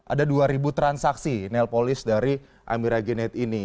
ada dua ribu transaksi nail polish dari amira genet ini